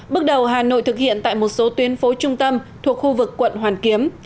bước đầu hà nội thực hiện tại một số tuyến phố trung tâm thuộc khu vực quận hoàn kiếm